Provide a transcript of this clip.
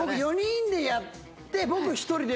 ４人でやって。